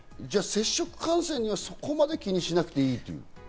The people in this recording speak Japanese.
じゃあ接触感染はそこまで気にしなくていいと？